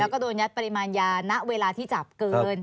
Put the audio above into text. แล้วก็โดนยัดปริมาณยาณเวลาที่จับเกิน